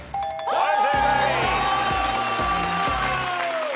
はい。